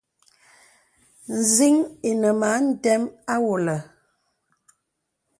Nzìn̄ inə mə a ndəm àwɔlə.